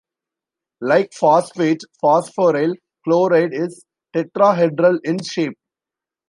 Like phosphate, phosphoryl chloride is tetrahedral in shape.